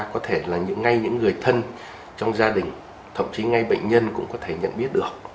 có thể là ngay những người thân trong gia đình thậm chí ngay bệnh nhân cũng có thể nhận biết được